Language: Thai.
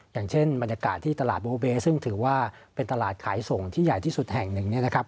อย่างเช่นบรรยากาศที่ตลาดโบเบซึ่งถือว่าเป็นตลาดขายส่งที่ใหญ่ที่สุดแห่งหนึ่งเนี่ยนะครับ